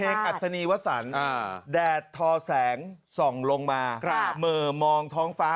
เพลงอัศนีวสรรค์แดดทอแสงส่องลงมาเหมือนมองท้องฟ้า